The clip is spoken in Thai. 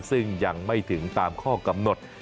ซึ่งยังไม่ถึงตามข้อกำหนด